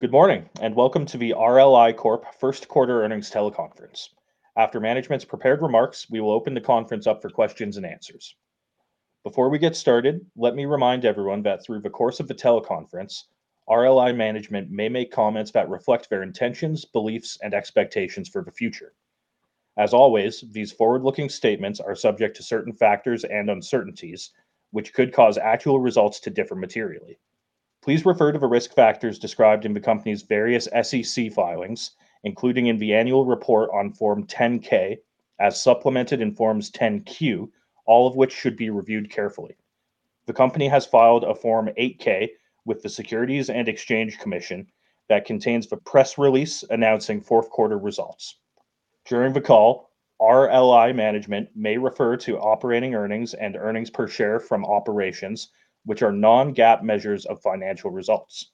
Good morning, and welcome to the RLI Corp. Q1 Earnings Teleconference. After management's prepared remarks, we will open the conference up for questions and answers. Before we get started, let me remind everyone that through the course of the teleconference, RLI management may make comments that reflect their intentions, beliefs, and expectations for the future. As always, these forward-looking statements are subject to certain factors and uncertainties, which could cause actual results to differ materially. Please refer to the risk factors described in the company's various SEC filings, including in the annual report on Form 10-K, as supplemented in Form 10-Q, all of which should be reviewed carefully. The company has filed a Form 8-K with the Securities and Exchange Commission that contains the press release announcing Q1 results. During the call, RLI management may refer to operating earnings and earnings per share from operations, which are non-GAAP measures of financial results.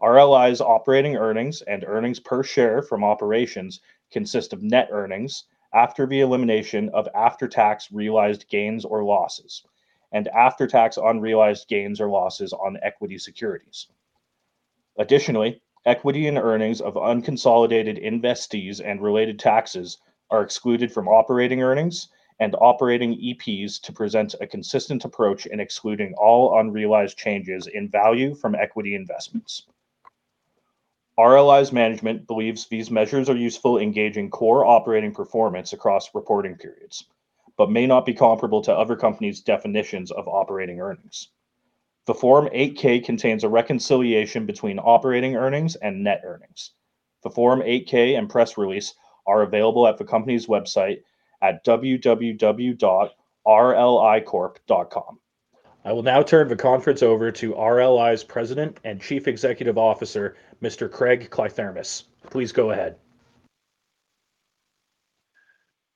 RLI's operating earnings and earnings per share from operations consist of net earnings after the elimination of after-tax realized gains or losses and after-tax unrealized gains or losses on equity securities. Additionally, equity and earnings of unconsolidated investees and related taxes are excluded from operating earnings and operating EPS to present a consistent approach in excluding all unrealized changes in value from equity investments. RLI's management believes these measures are useful in gauging core operating performance across reporting periods but may not be comparable to other companies' definitions of operating earnings. The Form 8-K contains a reconciliation between operating earnings and net earnings. The Form 8-K and press release are available at the company's website at www.rlicorp.com. I will now turn the conference over to RLI's President and Chief Executive Officer, Mr. Craig Kliethermes. Please go ahead.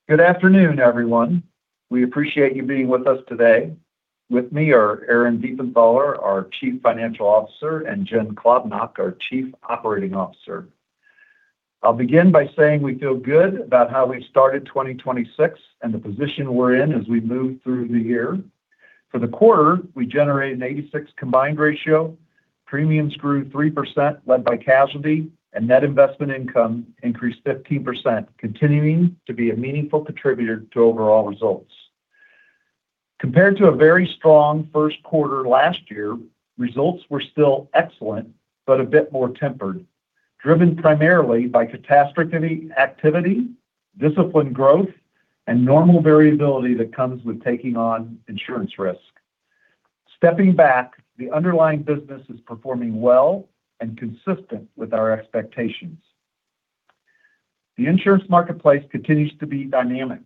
Good afternoon, everyone. We appreciate you being with us today. With me are Aaron Diefenthaler, our Chief Financial Officer, and Jennifer Klobnak, our Chief Operating Officer. I'll begin by saying we feel good about how we've started 2026 and the position we're in as we move through the year. For the quarter, we generated an 86 combined ratio. Premiums grew 3%, led by casualty and net investment income increased 15%, continuing to be a meaningful contributor to overall results. Compared to a very strong Q1 last year, results were still excellent, but a bit more tempered, driven primarily by catastrophic activity, disciplined growth, and normal variability that comes with taking on insurance risk. Stepping back, the underlying business is performing well and consistent with our expectations. The insurance marketplace continues to be dynamic.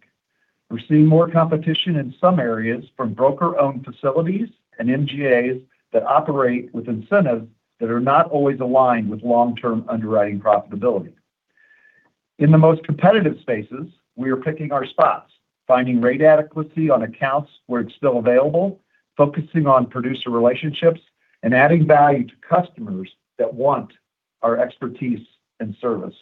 We're seeing more competition in some areas from broker-owned facilities and MGAs that operate with incentives that are not always aligned with long-term underwriting profitability. In the most competitive spaces, we are picking our spots, finding rate adequacy on accounts where it's still available, focusing on producer relationships, and adding value to customers that want our expertise and service.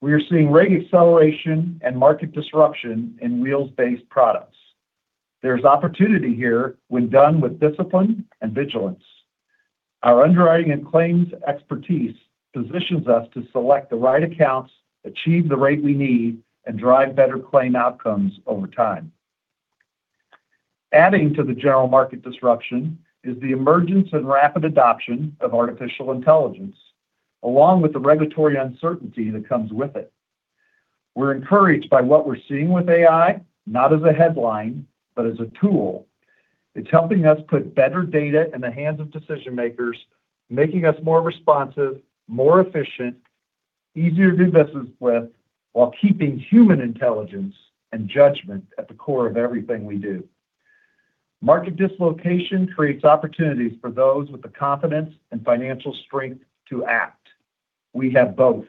We are seeing rate acceleration and market disruption in wheels-based products. There's opportunity here when done with discipline and vigilance. Our underwriting and claims expertise positions us to select the right accounts, achieve the rate we need, and drive better claim outcomes over time. Adding to the general market disruption is the emergence and rapid adoption of artificial intelligence, along with the regulatory uncertainty that comes with it. We're encouraged by what we're seeing with AI, not as a headline, but as a tool. It's helping us put better data in the hands of decision-makers, making us more responsive, more efficient, easier to do business with, while keeping human intelligence and judgment at the core of everything we do. Market dislocation creates opportunities for those with the confidence and financial strength to act. We have both.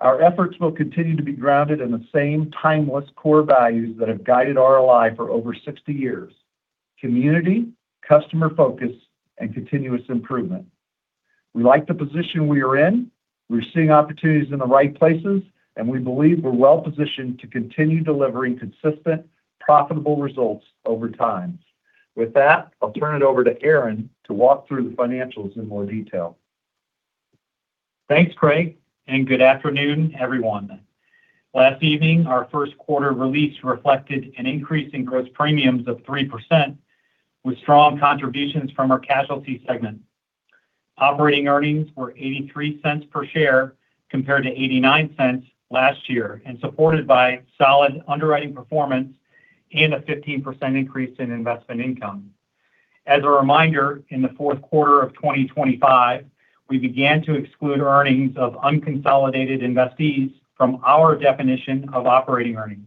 Our efforts will continue to be grounded in the same timeless core values that have guided RLI for over 60 years, community, customer focus, and continuous improvement. We like the position we are in. We're seeing opportunities in the right places, and we believe we're well-positioned to continue delivering consistent, profitable results over time. With that, I'll turn it over to Aaron to walk through the financials in more detail. Thanks, Craig, and good afternoon, everyone. Last evening, our Q1 release reflected an increase in gross premiums of 3% with strong contributions from our casualty segment. Operating earnings were $0.83 per share compared to $0.89 last year and supported by solid underwriting performance and a 15% increase in investment income. As a reminder, in the Q4 of 2025, we began to exclude earnings of unconsolidated investees from our definition of operating earnings.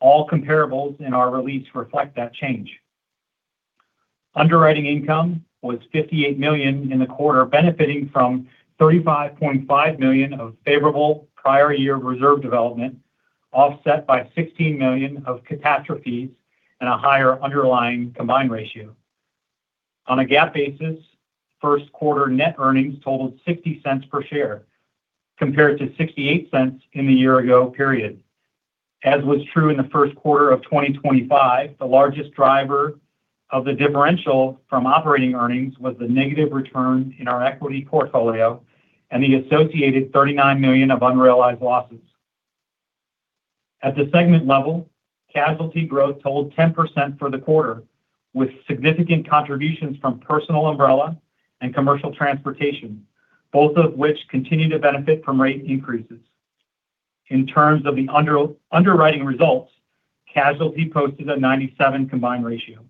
All comparables in our release reflect that change. Underwriting income was $58 million in the quarter, benefiting from $35.5 million of favorable prior-year reserve development, offset by $16 million of catastrophes and a higher underlying combined ratio. On a GAAP basis, Q1 net earnings totaled $0.60 per share compared to $0.68 in the year ago period. As was true in the Q1 of 2025, the largest driver of the differential from operating earnings was the negative return in our equity portfolio and the associated $39 million of unrealized losses. At the segment level, Casualty growth totaled 10% for the quarter, with significant contributions from Personal Umbrella and Commercial Transportation, both of which continue to benefit from rate increases. In terms of the underwriting results, Casualty posted a 97 combined ratio,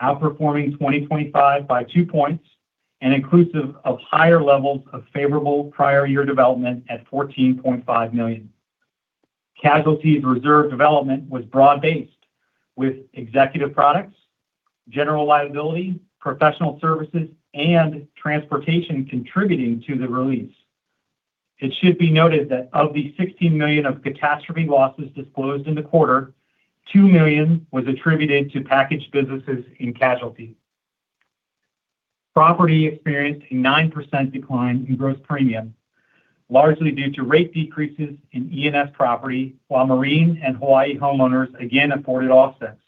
outperforming 2025 by two points and inclusive of higher levels of favorable prior year development at $14.5 million. Casualty's reserve development was broad-based, with Executive Products, General Liability, Professional Services, and Transportation contributing to the release. It should be noted that of the $16 million of catastrophe losses disclosed in the quarter, $2 million was attributed to packaged businesses in Casualty. Property experienced a 9% decline in gross premium, largely due to rate decreases in E&S Property, while Marine and Hawaii Homeowners again afforded offsets.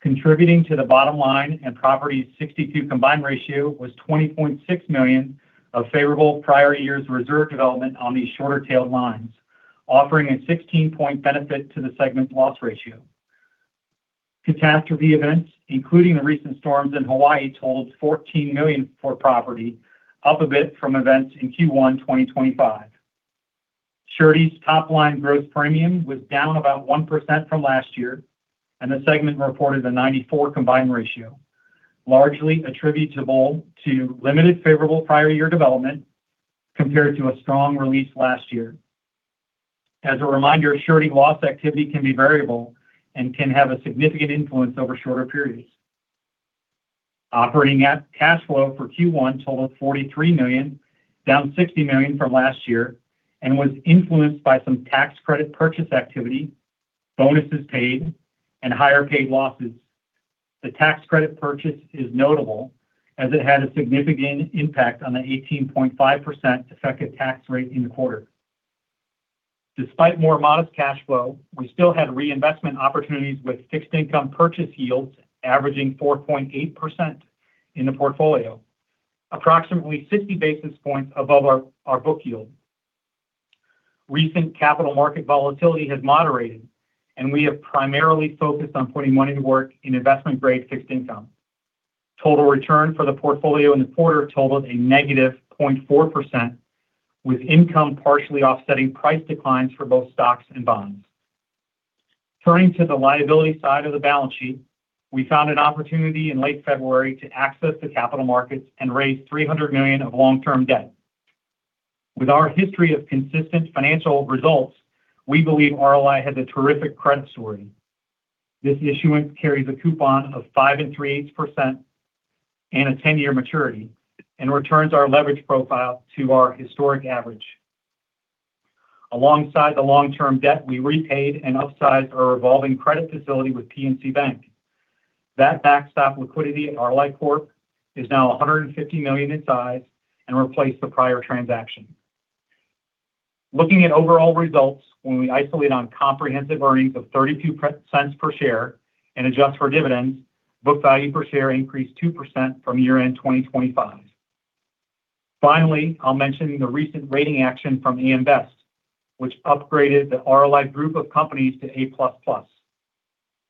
Contributing to the bottom line and Property's 62 combined ratio was $20.6 million of favorable prior years reserve development on these shorter-tailed lines, offering a 16-point benefit to the segment's loss ratio. Catastrophe events, including the recent storms in Hawaii, totaled $14 million for Property, up a bit from events in Q1 2025. Surety's top-line gross premium was down about 1% from last year, and the segment reported a 94 combined ratio, largely attributable to limited favorable prior year development compared to a strong release last year. As a reminder, surety loss activity can be variable and can have a significant influence over shorter periods. Operating cash flow for Q1 totaled $43 million, down $60 million from last year and was influenced by some tax credit purchase activity, bonuses paid, and higher paid losses. The tax credit purchase is notable as it had a significant impact on the 18.5% effective tax rate in the quarter. Despite more modest cash flow, we still had reinvestment opportunities with fixed income purchase yields averaging 4.8% in the portfolio. Approximately 60 basis points above our book yield. Recent capital market volatility has moderated, and we have primarily focused on putting money to work in investment-grade fixed income. Total return for the portfolio in the quarter totaled a negative 0.4%, with income partially offsetting price declines for both stocks and bonds. Turning to the liability side of the balance sheet, we found an opportunity in late February to access the capital markets and raise $300 million of long-term debt. With our history of consistent financial results, we believe RLI has a terrific credit story. This issuance carries a coupon of 5.375% and a 10-year maturity and returns our leverage profile to our historic average. Alongside the long-term debt we repaid and upsized our revolving credit facility with PNC Bank. That backstop liquidity at RLI Corp is now $150 million in size and replaced the prior transaction. Looking at overall results, when we isolate on comprehensive earnings of $0.32 per share and adjust for dividends, book value per share increased 2% from year-end 2025. Finally, I'll mention the recent rating action from AM Best, which upgraded the RLI group of companies to A++.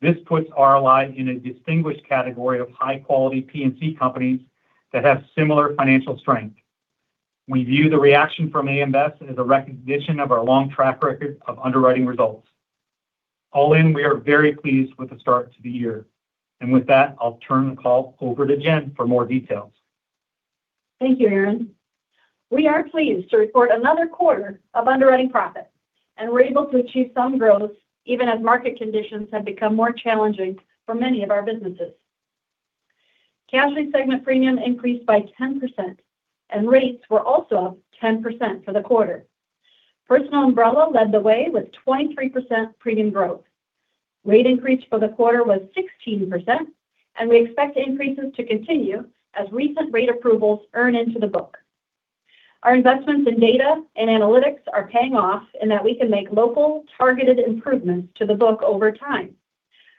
This puts RLI in a distinguished category of high-quality P&C companies that have similar financial strength. We view the reaction from AM Best as a recognition of our long track record of underwriting results. All in, we are very pleased with the start to the year. With that, I'll turn the call over to Jen for more details. Thank you, Aaron. We are pleased to report another quarter of underwriting profit, and we're able to achieve some growth even as market conditions have become more challenging for many of our businesses. Casualty segment premium increased by 10%, and rates were also up 10% for the quarter. Personal Umbrella led the way with 23% premium growth. Rate increase for the quarter was 16%, and we expect increases to continue as recent rate approvals earn into the book. Our investments in data and analytics are paying off in that we can make local targeted improvements to the book over time.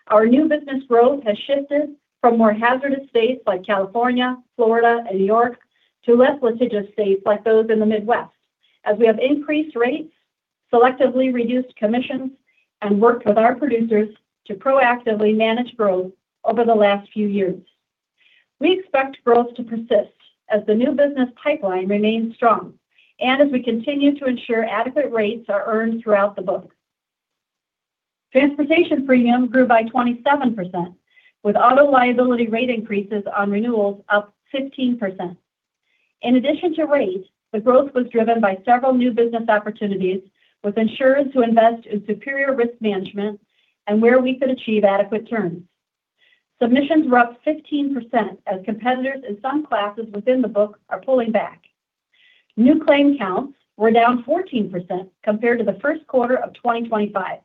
Our new business growth has shifted from more hazardous states like California, Florida, and New York to less litigious states like those in the Midwest as we have increased rates, selectively reduced commissions, and worked with our producers to proactively manage growth over the last few years. We expect growth to persist as the new business pipeline remains strong and as we continue to ensure adequate rates are earned throughout the book. Transportation premium grew by 27%, with Auto Liability rate increases on renewals up 15%. In addition to rate, the growth was driven by several new business opportunities with insureds who invest in superior risk management and where we could achieve adequate returns. Submissions were up 15% as competitors in some classes within the book are pulling back. New claim counts were down 14% compared to the Q1 of 2025.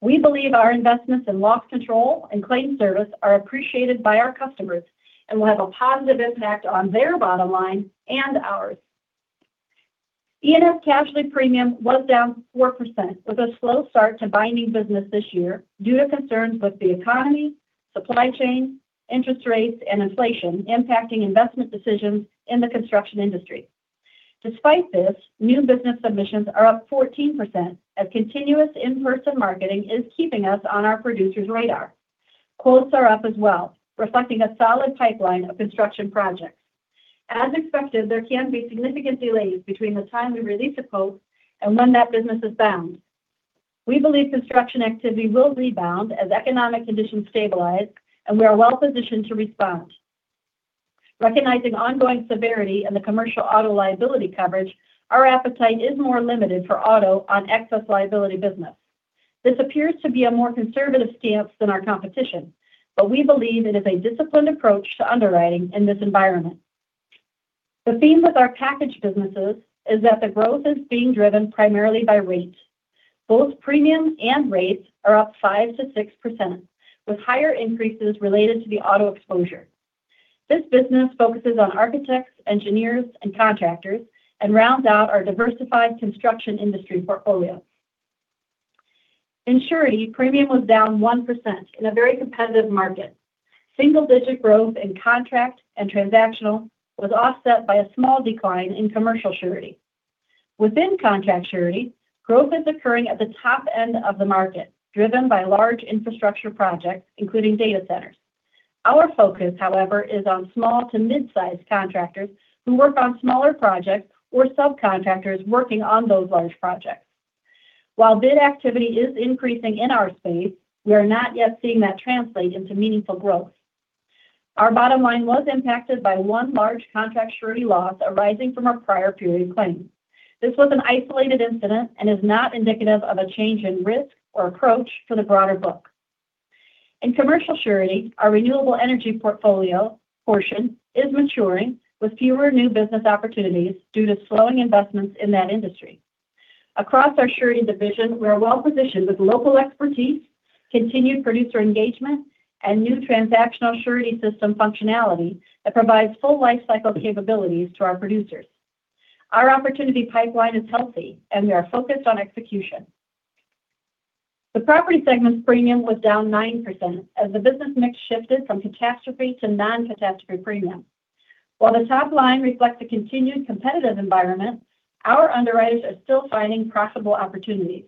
We believe our investments in loss control and claim service are appreciated by our customers and will have a positive impact on their bottom line and ours. E&S Casualty premium was down 4%, with a slow start to binding business this year due to concerns with the economy, supply chain, interest rates, and inflation impacting investment decisions in the construction industry. Despite this, new business submissions are up 14% as continuous in-person marketing is keeping us on our producers' radar. Quotes are up as well, reflecting a solid pipeline of construction projects. As expected, there can be significant delays between the time we release a quote and when that business is bound. We believe construction activity will rebound as economic conditions stabilize, and we are well-positioned to respond. Recognizing ongoing severity in the Commercial Auto Liability coverage, our appetite is more limited for auto on excess liability business. This appears to be a more conservative stance than our competition, but we believe it is a disciplined approach to underwriting in this environment. The theme with our package businesses is that the growth is being driven primarily by rates. Both premiums and rates are up 5%-6%, with higher increases related to the auto exposure. This business focuses on architects, engineers, and contractors, and rounds out our diversified construction industry portfolio. Surety premium was down 1% in a very competitive market. Single-digit growth in contract and transactional was offset by a small decline in commercial surety. Within contract surety, growth is occurring at the top end of the market, driven by large infrastructure projects, including data centers. Our focus, however, is on small to mid-size contractors who work on smaller projects or subcontractors working on those large projects. While bid activity is increasing in our space, we are not yet seeing that translate into meaningful growth. Our bottom line was impacted by one large Contract Surety loss arising from a prior period claim. This was an isolated incident and is not indicative of a change in risk or approach for the broader book. In Commercial Surety, our renewable energy portfolio portion is maturing with fewer new business opportunities due to slowing investments in that industry. Across our Surety division, we are well positioned with local expertise, continued producer engagement, and new Transactional Surety system functionality that provides full lifecycle capabilities to our producers. Our opportunity pipeline is healthy, and we are focused on execution. The Property segment's premium was down 9% as the business mix shifted from catastrophe to non-catastrophe premium. While the top line reflects a continued competitive environment, our underwriters are still finding profitable opportunities.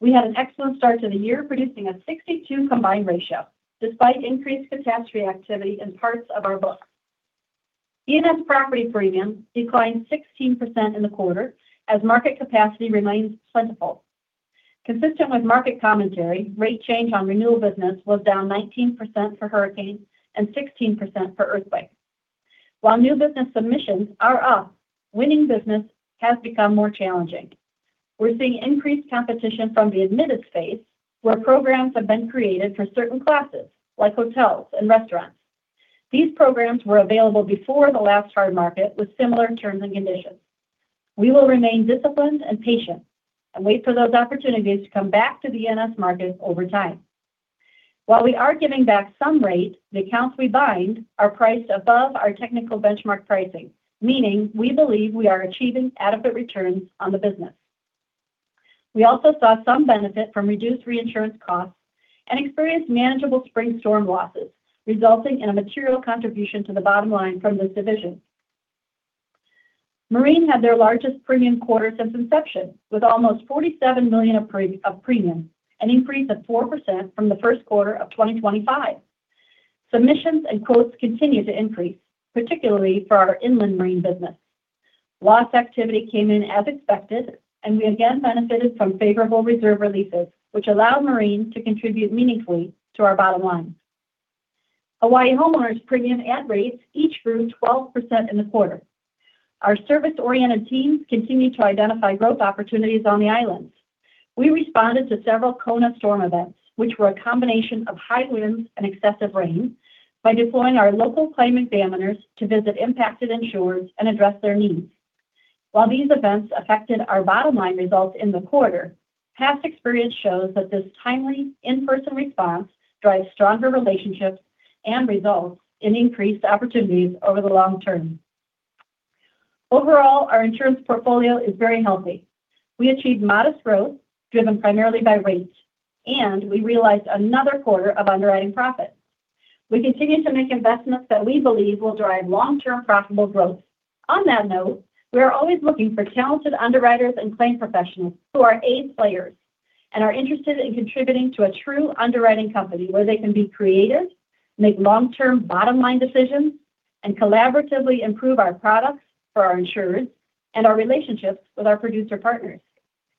We had an excellent start to the year, producing a 62 combined ratio, despite increased catastrophe activity in parts of our book. E&S Property premium declined 16% in the quarter as market capacity remained plentiful. Consistent with market commentary, rate change on renewal business was down 19% for hurricane and 16% for earthquake. While new business submissions are up, winning business has become more challenging. We're seeing increased competition from the admitted space, where programs have been created for certain classes, like hotels and restaurants. These programs were available before the last hard market with similar terms and conditions. We will remain disciplined and patient and wait for those opportunities to come back to the E&S markets over time. While we are giving back some rate, the accounts we bind are priced above our technical benchmark pricing. Meaning we believe we are achieving adequate returns on the business. We also saw some benefit from reduced reinsurance costs and experienced manageable spring storm losses, resulting in a material contribution to the bottom line from this division. Marine had their largest premium quarter since inception, with almost $47 million of premium, an increase of 4% from the Q1 of 2025. Submissions and quotes continue to increase, particularly for our Inland Marine business. Loss activity came in as expected, and we again benefited from favorable reserve releases, which allowed Marine to contribute meaningfully to our bottom line. Hawaii Homeowners premium and rates each grew 12% in the quarter. Our service-oriented teams continue to identify growth opportunities on the islands. We responded to several Kona storm events, which were a combination of high winds and excessive rain, by deploying our local claim examiners to visit impacted insureds and address their needs. While these events affected our bottom-line results in the quarter, past experience shows that this timely, in-person response drives stronger relationships and results in increased opportunities over the long term. Overall, our insurance portfolio is very healthy. We achieved modest growth driven primarily by rates, and we realized another quarter of underwriting profit. We continue to make investments that we believe will drive long-term profitable growth. On that note, we are always looking for talented underwriters and claim professionals who are A players and are interested in contributing to a true underwriting company where they can be creative, make long-term bottom-line decisions, and collaboratively improve our products for our insureds and our relationships with our producer partners.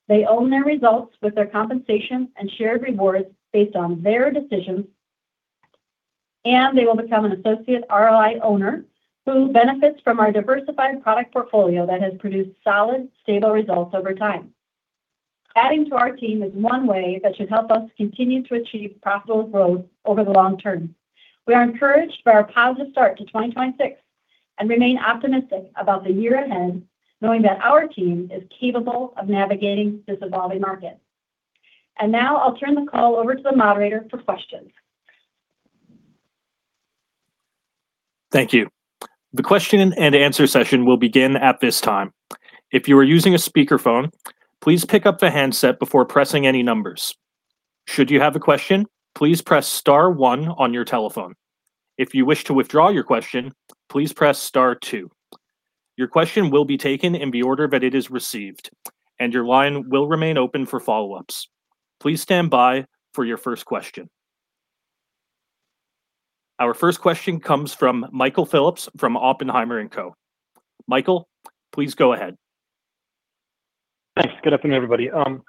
They own their results with their compensation and shared rewards based on their decisions, and they will become an associate RLI owner who benefits from our diversified product portfolio that has produced solid, stable results over time. Adding to our team is one way that should help us continue to achieve profitable growth over the long term. We are encouraged by our positive start to 2026 and remain optimistic about the year ahead, knowing that our team is capable of navigating this evolving market. Now I'll turn the call over to the moderator for questions. Thank you. The question and answer session will begin at this time. If you are using a speakerphone, please pick up the handset before pressing any numbers. Should you have a question, please press star one on your telephone. If you wish to withdraw your question, please press star two. Your question will be taken in the order that it is received, and your line will remain open for follow-ups. Please stand by for your first question. Our first question comes from Michael Phillips from Oppenheimer & Co. Michael, please go ahead. Thanks. Good afternoon, everybody. I'm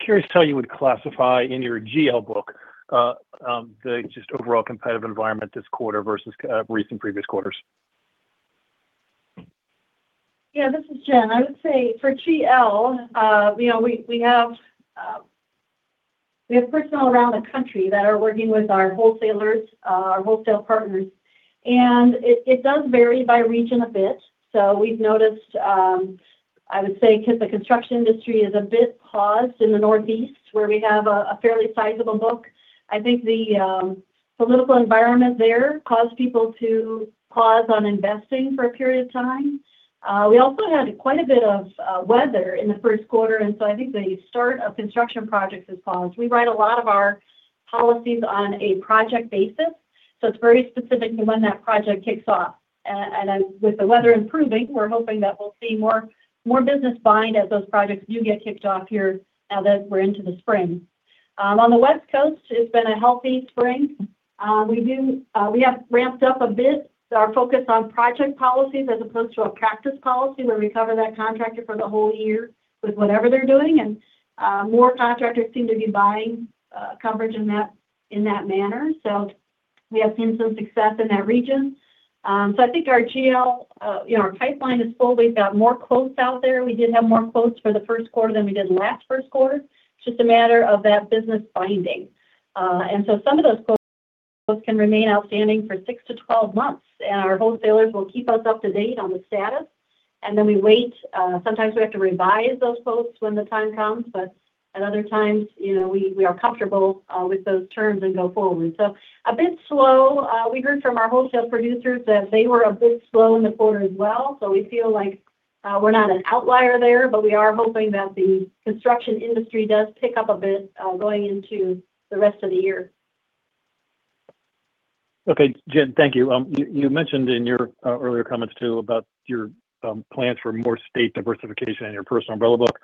curious how you would classify in your GL book, the just overall competitive environment this quarter versus recent previous quarters. Yeah, this is Jen. I would say for GL, we have personnel around the country that are working with our wholesalers, our wholesale partners, and it does vary by region a bit. We've noticed, I would say because the construction industry is a bit paused in the Northeast where we have a fairly sizable book, I think the political environment there caused people to pause on investing for a period of time. We also had quite a bit of weather in the Q1, and so I think the start of construction projects is paused. We write a lot of our policies on a project basis, so it's very specific to when that project kicks off. With the weather improving, we're hoping that we'll see more business bind as those projects do get kicked off here now that we're into the spring. On the West Coast, it's been a healthy spring. We have ramped up a bit our focus on project policies as opposed to a practice policy where we cover that contractor for the whole year with whatever they're doing. More contractors seem to be buying coverage in that manner. We have seen some success in that region. I think our GL pipeline is full. We've got more quotes out there. We did have more quotes for the Q1 than we did last Q1. It's just a matter of that business binding. Some of those quotes can remain outstanding for 6-12 months, and our wholesalers will keep us up to date on the status, and then we wait. Sometimes we have to revise those quotes when the time comes, but at other times, we are comfortable with those terms and go forward. A bit slow. We heard from our wholesale producers that they were a bit slow in the quarter as well, so we feel like we're not an outlier there, but we are hoping that the construction industry does pick up a bit going into the rest of the year. Okay, Jen, thank you. You mentioned in your earlier comments, too, about your plans for more state diversification in your Personal Umbrella book.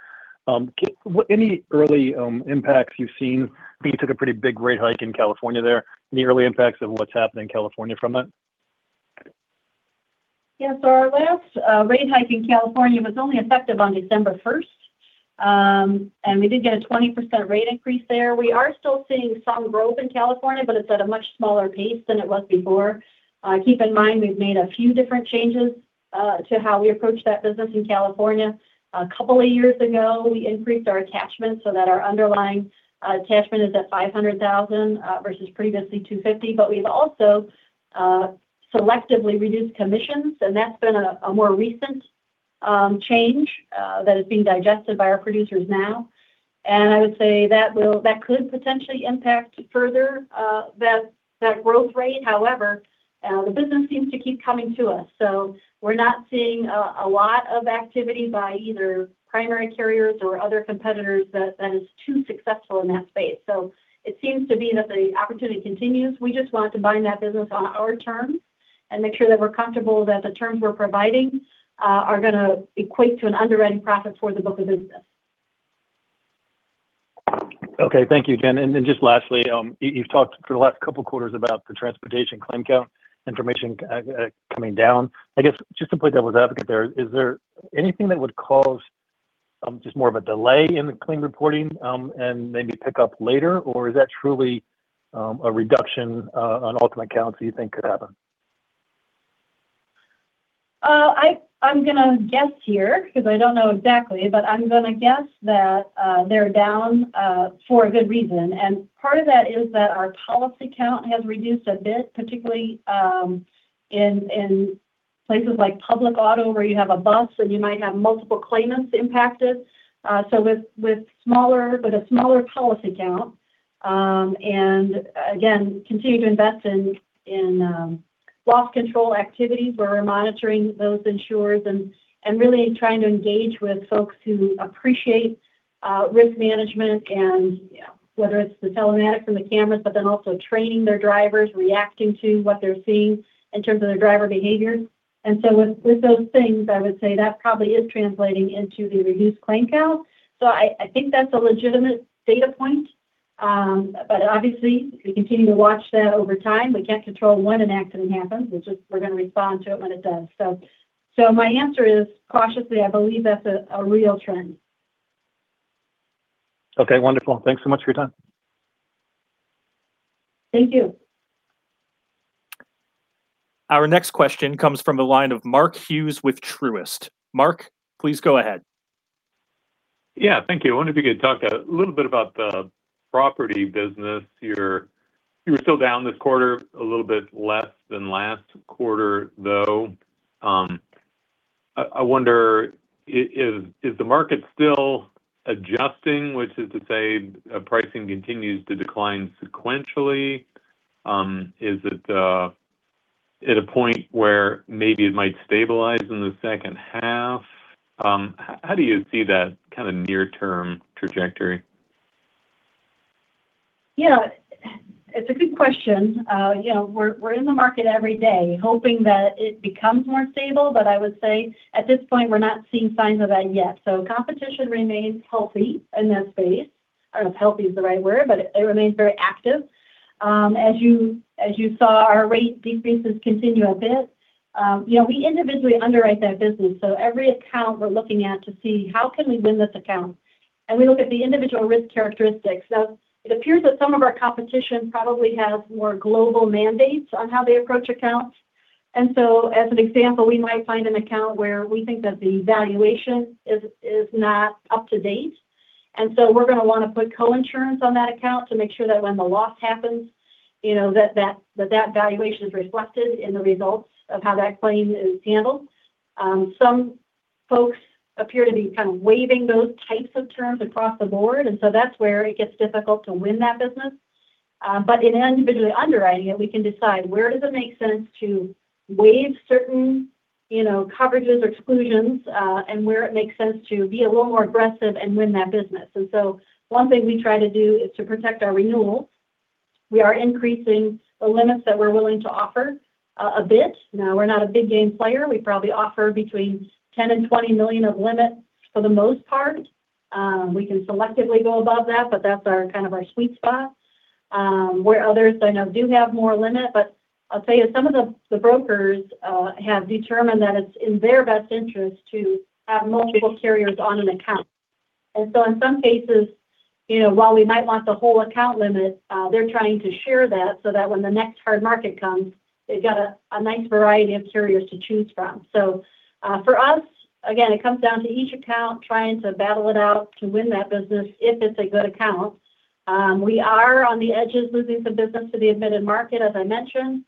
Any early impacts you've seen? I think you took a pretty big rate hike in California there. Any early impacts of what's happened in California from that? Yeah. Our last rate hike in California was only effective on December 1st, and we did get a 20% rate increase there. We are still seeing some growth in California, but it's at a much smaller pace than it was before. Keep in mind, we've made a few different changes to how we approach that business in California. A couple of years ago, we increased our attachment so that our underlying attachment is at 500,000 versus previously 250. We've also selectively reduced commissions, and that's been a more recent change that is being digested by our producers now. I would say that could potentially impact further that growth rate. However, the business seems to keep coming to us. We're not seeing a lot of activity by either primary carriers or other competitors that is too successful in that space. It seems to be that the opportunity continues. We just want to bind that business on our terms and make sure that we're comfortable that the terms we're providing are going to equate to an underwriting profit for the book of business. Okay. Thank you, Jen. Just lastly, you've talked for the last couple of quarters about the transportation claim count information coming down. I guess, just to play devil's advocate there, is there anything that would cause just more of a delay in the claim reporting and maybe pick up later, or is that truly a reduction on ultimate counts you think could happen? I'm going to guess here because I don't know exactly, but I'm going to guess that they're down for a good reason. Part of that is that our policy count has reduced a bit, particularly in places like Public Auto where you have a bus or you might have multiple claimants impacted. With a smaller policy count, and again, continue to invest in loss control activities, we're monitoring those insureds and really trying to engage with folks who appreciate risk management and whether it's the telematics and the cameras, but then also training their drivers, reacting to what they're seeing in terms of their driver behavior. With those things, I would say that probably is translating into the reduced claim count. I think that's a legitimate data point. Obviously, we continue to watch that over time. We can't control when an accident happens. We're going to respond to it when it does. My answer is cautiously, I believe that's a real trend. Okay, wonderful. Thanks so much for your time. Thank you. Our next question comes from the line of Mark Hughes with Truist. Mark, please go ahead. Yeah. Thank you. I wonder if you could talk a little bit about the property business. You were still down this quarter, a little bit less than last quarter, though. I wonder, is the market still adjusting? Which is to say, pricing continues to decline sequentially. Is it at a point where maybe it might stabilize in the second half? How do you see that near-term trajectory? Yeah. It's a good question. We're in the market every day hoping that it becomes more stable. I would say at this point, we're not seeing signs of that yet. Competition remains healthy in that space. I don't know if healthy is the right word, but it remains very active. As you saw, our rate decreases continue a bit. We individually underwrite that business, so every account we're looking at to see how can we win this account. We look at the individual risk characteristics. Now, it appears that some of our competition probably has more global mandates on how they approach accounts. As an example, we might find an account where we think that the valuation is not up to date. We're going to want to put co-insurance on that account to make sure that when the loss happens, that valuation is reflected in the results of how that claim is handled. Some folks appear to be kind of waiving those types of terms across the board, and so that's where it gets difficult to win that business. In individually underwriting it, we can decide where does it make sense to waive certain coverages or exclusions, and where it makes sense to be a little more aggressive and win that business. One thing we try to do is to protect our renewals. We are increasing the limits that we're willing to offer a bit. Now, we're not a big game player. We probably offer between $10 million and $20 million of limits, for the most part. We can selectively go above that, but that's our sweet spot, where others I know do have more limit. I'll tell you, some of the brokers have determined that it's in their best interest to have multiple carriers on an account. In some cases, while we might want the whole account limit, they're trying to share that so that when the next hard market comes, they've got a nice variety of carriers to choose from. For us, again, it comes down to each account trying to battle it out to win that business, if it's a good account. We are on the edges losing some business to the admitted market, as I mentioned.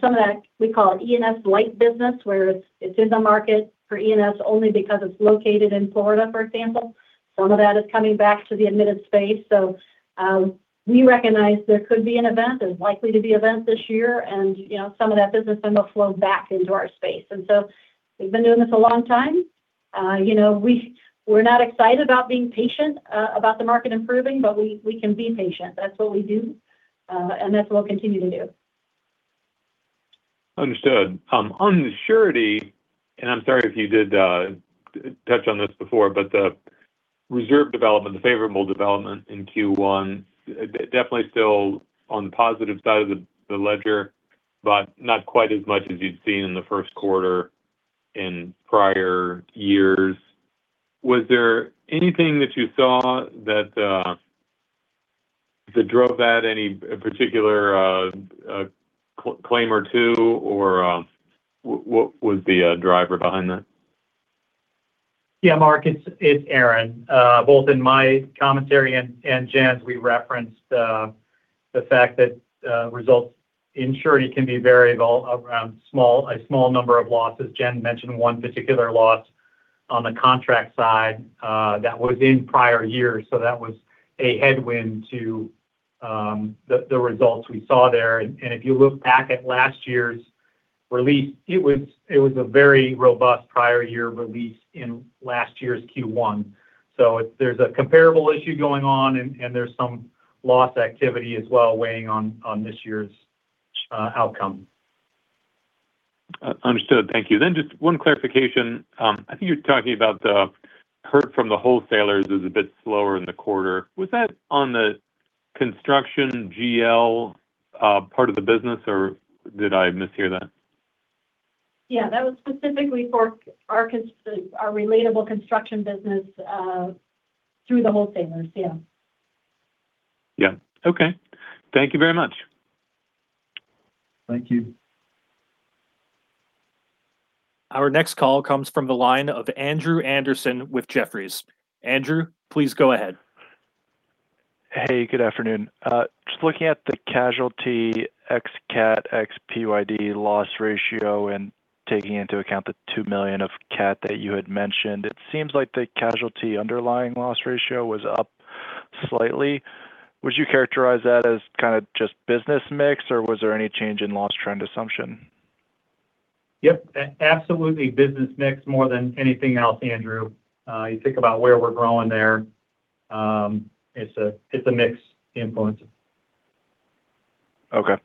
Some of that we call E&S light business where it's in the market for E&S only because it's located in Florida, for example. Some of that is coming back to the admitted space. We recognize there could be an event. There's likely to be events this year, and some of that business then will flow back into our space. We've been doing this a long time. We're not excited about being patient about the market improving, but we can be patient. That's what we do, and that's what we'll continue to do. Understood. On the surety, and I'm sorry if you did touch on this before, but the reserve development, the favorable development in Q1, definitely still on the positive side of the ledger, but not quite as much as you'd seen in the Q1 in prior years. Was there anything that you saw that drove that? Any particular claim or two, or what was the driver behind that? Yeah, Mark, it's Aaron. Both in my commentary and Jen's, we referenced the fact that results in surety can be variable around a small number of losses. Jen mentioned one particular loss on the contract side that was in prior years. That was a headwind to the results we saw there. If you look back at last year's release, it was a very robust prior year release in last year's Q1. There's a comparable issue going on, and there's some loss activity as well weighing on this year's outcome. Understood. Thank you. Just one clarification. I think you were talking about the hurt from the wholesalers is a bit slower in the quarter. Was that on the construction GL part of the business, or did I mishear that? Yeah, that was specifically for our relatable construction business through the wholesalers. Yeah. Yeah. Okay. Thank you very much. Thank you. Our next call comes from the line of Andrew Andersen with Jefferies. Andrew, please go ahead. Hey, good afternoon. Just looking at the casualty ex-CAT, ex-PYD loss ratio and taking into account the $2 million of CAT that you had mentioned, it seems like the casualty underlying loss ratio was up slightly. Would you characterize that as just business mix, or was there any change in loss trend assumption? Yep. Absolutely business mix more than anything else, Andrew. You think about where we're growing there. It's a mix influence. Okay.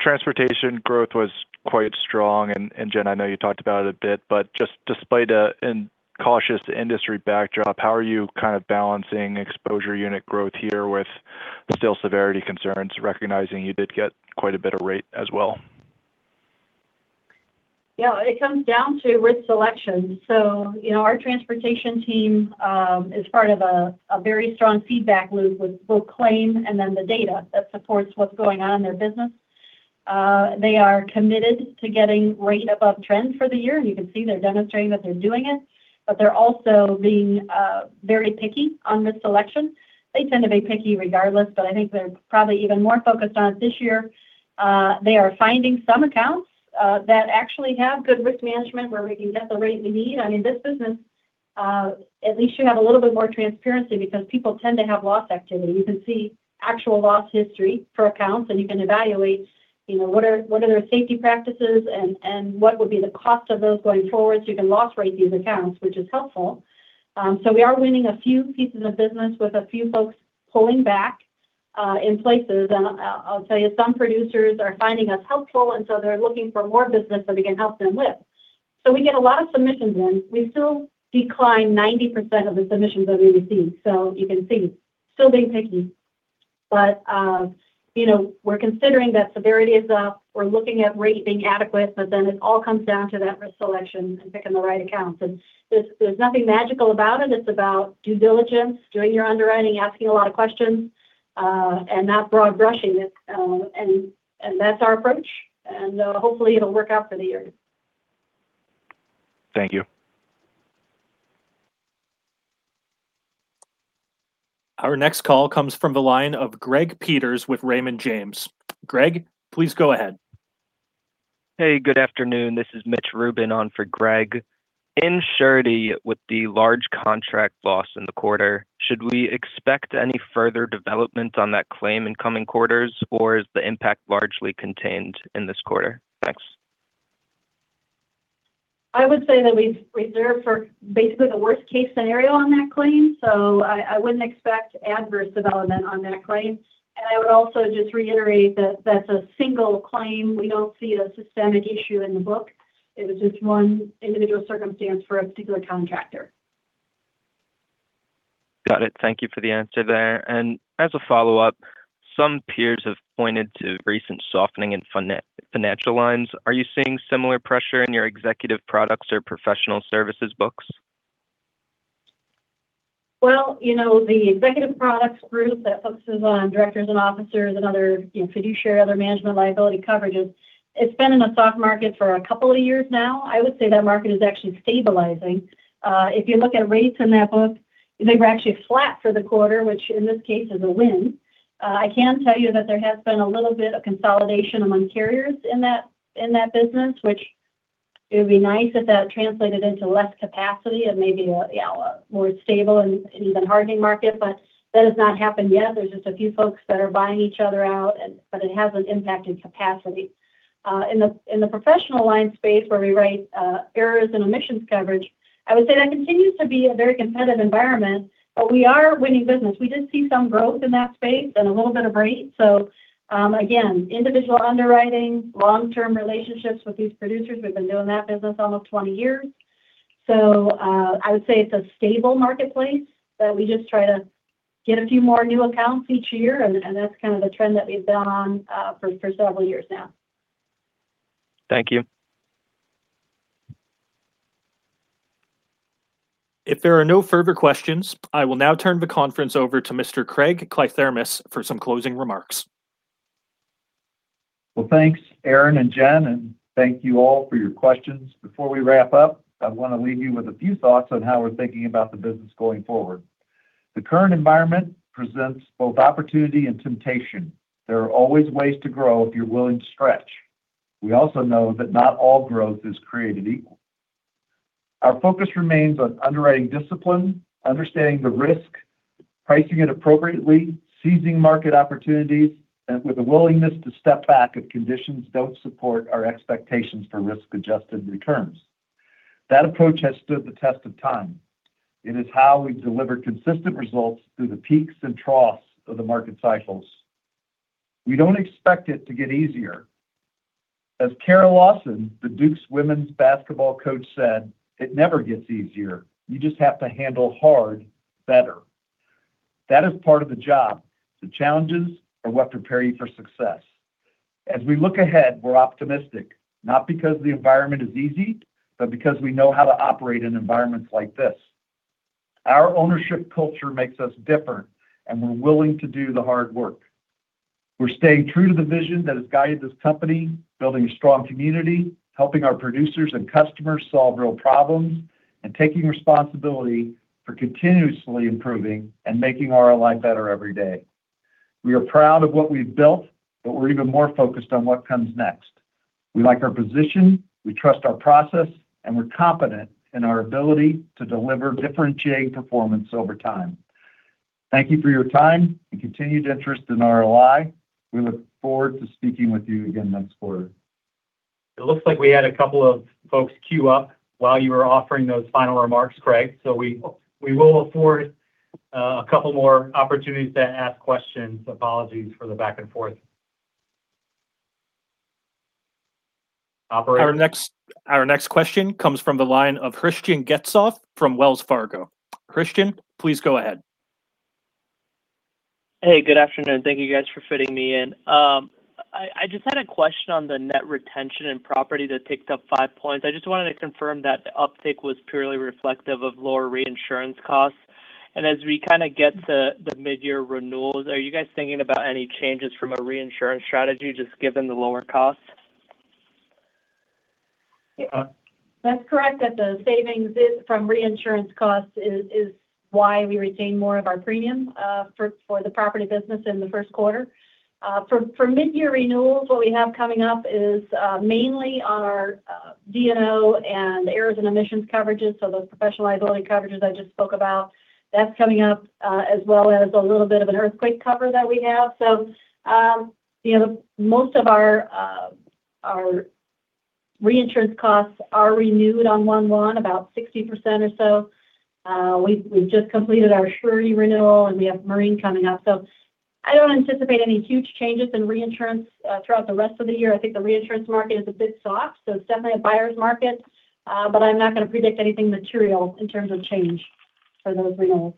Transportation growth was quite strong, and Jen, I know you talked about it a bit, but just despite a cautious industry backdrop, how are you balancing exposure unit growth here with the still severity concerns, recognizing you did get quite a bit of rate as well? Yeah. It comes down to risk selection. Our transportation team is part of a very strong feedback loop with both claim and then the data that supports what's going on in their business. They are committed to getting rate above trend for the year, and you can see they're demonstrating that they're doing it. They're also being very picky on risk selection. They tend to be picky regardless, but I think they're probably even more focused on it this year. They are finding some accounts that actually have good risk management where we can get the rate we need. In this business, at least you have a little bit more transparency because people tend to have loss activity. You can see actual loss history for accounts, and you can evaluate what their safety practices are and what the cost of those would be going forward, so you can loss rate these accounts, which is helpful. We are winning a few pieces of business with a few folks pulling back in places. I'll tell you, some producers are finding us helpful, so they're looking for more business that we can help them with. We get a lot of submissions in. We still decline 90% of the submissions that we receive, so you can see, still being picky. We're considering that severity is up. We're looking at rate being adequate, but then it all comes down to that risk selection and picking the right accounts. There's nothing magical about it. It's about due diligence, doing your underwriting, asking a lot of questions, and not broad-brushing it. That's our approach, and hopefully it'll work out for the year. Thank you. Our next call comes from the line of Greg Peters with Raymond James. Greg, please go ahead. Hey, good afternoon. This is Mitch Rubin on for Greg. In Surety, with the large contract loss in the quarter, should we expect any further development on that claim in coming quarters, or is the impact largely contained in this quarter? Thanks. I would say that we've reserved for basically the worst-case scenario on that claim, so I wouldn't expect adverse development on that claim. I would also just reiterate that that's a single claim. We don't see a systemic issue in the book. It was just one individual circumstance for a particular contractor. Got it. Thank you for the answer there. As a follow-up, some peers have pointed to recent softening in financial lines. Are you seeing similar pressure in your Executive Products or Professional Services books? Well, the Executive Products group that focuses on Directors and Officers and other fiduciary, other management liability coverages, it's been in a soft market for a couple of years now. I would say that market is actually stabilizing. If you look at rates in that book, they were actually flat for the quarter, which in this case is a win. I can tell you that there has been a little bit of consolidation among carriers in that business, which it would be nice if that translated into less capacity and maybe a more stable and even hardening market, but that has not happened yet. There's just a few folks that are buying each other out, but it hasn't impacted capacity. In the professional line space where we write errors and omissions coverage, I would say that continues to be a very competitive environment, but we are winning business. We did see some growth in that space and a little bit of rate. Again, individual underwriting, long-term relationships with these producers. We've been doing that business almost 20 years. I would say it's a stable marketplace, but we just try to get a few more new accounts each year, and that's kind of the trend that we've been on for several years now. Thank you. If there are no further questions, I will now turn the conference over to Mr. Craig Kliethermes for some closing remarks. Well, thanks, Aaron and Jen, and thank you all for your questions. Before we wrap up, I want to leave you with a few thoughts on how we're thinking about the business going forward. The current environment presents both opportunity and temptation. There are always ways to grow if you're willing to stretch. We also know that not all growth is created equal. Our focus remains on underwriting discipline, understanding the risk, pricing it appropriately, seizing market opportunities, and with a willingness to step back if conditions don't support our expectations for risk-adjusted returns. That approach has stood the test of time. It is how we deliver consistent results through the peaks and troughs of the market cycles. We don't expect it to get easier. As Kara Lawson, the Duke's women's basketball coach, said, "It never gets easier. You just have to handle hard better." That is part of the job. The challenges are what prepare you for success. As we look ahead, we're optimistic, not because the environment is easy, but because we know how to operate in environments like this. Our ownership culture makes us different, and we're willing to do the hard work. We're staying true to the vision that has guided this company, building a strong community, helping our producers and customers solve real problems, and taking responsibility for continuously improving and making RLI better every day. We are proud of what we've built, but we're even more focused on what comes next. We like our position, we trust our process, and we're confident in our ability to deliver differentiating performance over time. Thank you for your time and continued interest in RLI. We look forward to speaking with you again next quarter. It looks like we had a couple of folks queue up while you were offering those final remarks, Craig. We will afford a couple more opportunities to ask questions. Apologies for the back and forth. Operator. Our next question comes from the line of Rich Getzoff from Wells Fargo. Rich, please go ahead. Hey, good afternoon. Thank you guys for fitting me in. I just had a question on the net retention and property that ticked up five points. I just wanted to confirm that the uptick was purely reflective of lower reinsurance costs. As we get to the mid-year renewals, are you guys thinking about any changes from a reinsurance strategy, just given the lower costs? Yeah. That's correct, that the savings from reinsurance costs is why we retain more of our premium for the property business in the Q1. For mid-year renewals, what we have coming up is mainly our D&O and errors and omissions coverages, so those professional liability coverages I just spoke about. That's coming up, as well as a little bit of an earthquake cover that we have. Most of our reinsurance costs are renewed on 1/1, about 60% or so. We've just completed our surety renewal, and we have marine coming up. I don't anticipate any huge changes in reinsurance throughout the rest of the year. I think the reinsurance market is a bit soft, so it's definitely a buyer's market. I'm not going to predict anything material in terms of change for those renewals.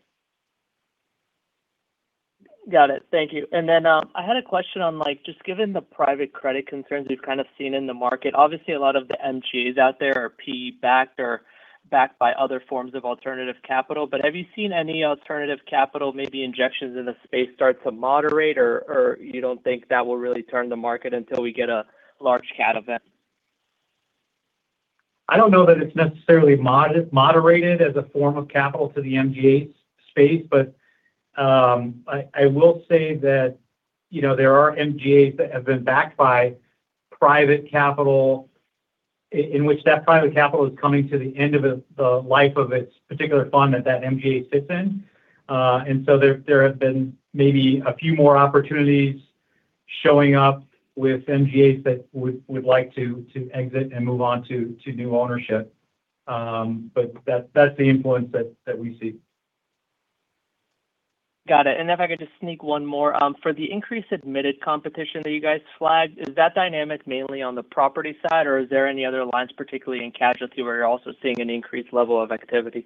Got it. Thank you. I had a question on just given the private credit concerns we've seen in the market. Obviou sly, a lot of the MGAs out there are PE-backed or backed by other forms of alternative capital. Have you seen any alternative capital, maybe injections in the space start to moderate, or you don't think that will really turn the market until we get a large CAT event? I don't know that it's necessarily moderated as a form of capital to the MGAs space, but I will say that there are MGAs that have been backed by private capital in which that private capital is coming to the end of the life of its particular fund that that MGA sits in. There have been maybe a few more opportunities showing up with MGAs that would like to exit and move on to new ownership. That's the influence that we see. Got it. If I could just sneak one more. For the increased admitted competition that you guys flagged, is that dynamic mainly on the property side, or is there any other lines, particularly in casualty, where you're also seeing an increased level of activity?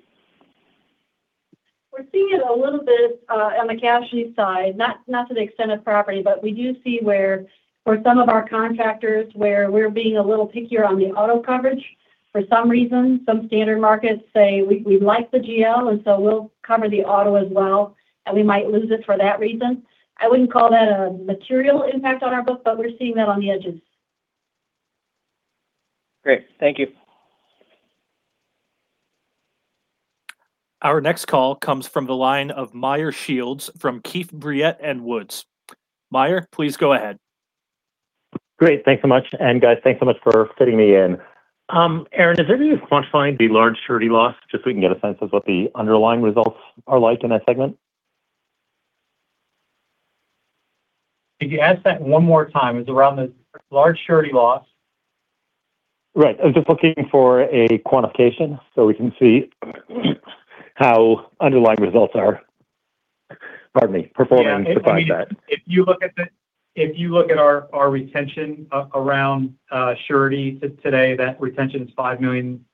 We're seeing it a little bit on the casualty side, not to the extent of property. We do see where for some of our contractors, where we're being a little pickier on the auto coverage. For some reason, some standard markets say, "We like the GL, and so we'll cover the auto as well," and we might lose it for that reason. I wouldn't call that a material impact on our book, but we're seeing that on the edges. Great. Thank you. Our next call comes from the line of Meyer Shields from Keefe, Bruyette & Woods. Meyer, please go ahead. Great. Thanks so much. Guys, thanks so much for fitting me in. Aaron, have you been able to quantify the large Surety loss, just so we can get a sense of what the underlying results are like in that segment? Could you ask that one more time? It's around the large surety loss. Right. I was just looking for a quantification so we can see how underlying results are performing to fight that. If you look at our retention around surety to today, that retention is $5 million.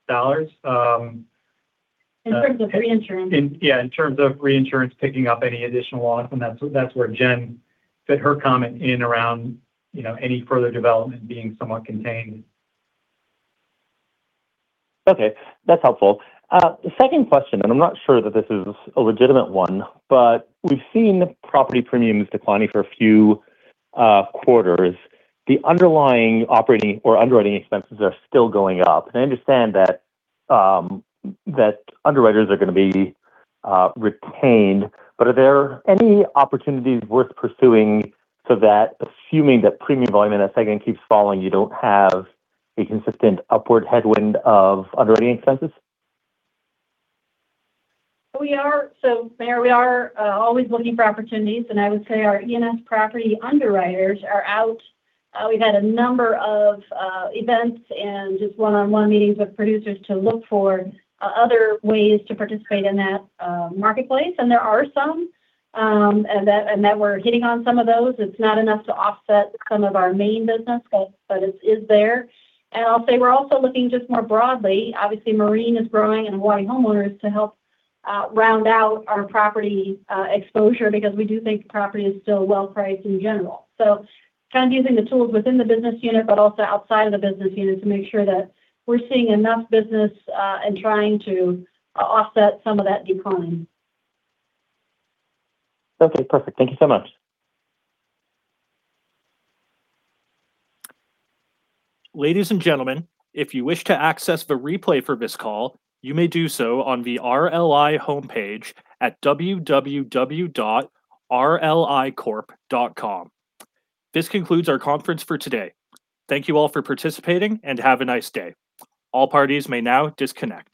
In terms of reinsurance. Yeah, in terms of reinsurance picking up any additional loss, and that's where Jen fit her comment in around any further development being somewhat contained. Okay. That's helpful. The second question, and I'm not sure that this is a legitimate one, but we've seen property premiums declining for a few quarters. The underlying operating or underwriting expenses are still going up. I understand that underwriters are going to be retained, but are there any opportunities worth pursuing so that assuming that premium volume in that segment keeps falling, you don't have a consistent upward headwind of underwriting expenses? Meyer, we are always looking for opportunities, and I would say our E&S property underwriters are out. We've had a number of events and just one-on-one meetings with producers to look for other ways to participate in that marketplace. There are some, and that we're hitting on some of those. It's not enough to offset some of our main business, but it is there. I'll say we're also looking just more broadly, obviously, Marine is growing and Hawaii Homeowners to help round out our property exposure because we do think property is still well-priced in general. Trying to use the tools within the business unit, but also outside of the business unit to make sure that we're seeing enough business, and trying to offset some of that decline. Okay, perfect. Thank you so much. Ladies and gentlemen, if you wish to access the replay for this call, you may do so on the RLI homepage at www.rlicorp.com. This concludes our conference for today. Thank you all for participating, and have a nice day. All parties may now disconnect.